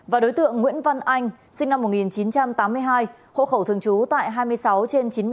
và đối tượng nguyễn văn anh sinh năm một nghìn chín trăm tám mươi hai hộ khẩu thường trú tại hai mươi sáu trên chín mươi bảy